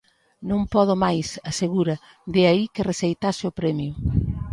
"Non podo máis", asegura, de aí que rexeitase o premio.